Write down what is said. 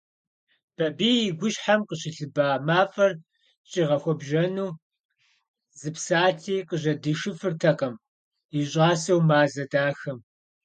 Бабий и гущхьэм къыщылыба мафӀэр щӀигъэхуэбжьэну зы псалъи къыжьэдишыфыртэкъым и щӀасэу Мазэ дахэм.